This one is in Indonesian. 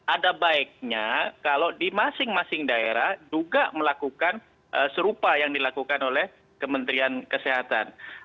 ada baiknya kalau di masing masing daerah juga melakukan serupa yang dilakukan oleh kementerian kesehatan